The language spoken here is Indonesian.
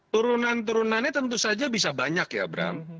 turunan turunannya tentu saja bisa banyak ya bram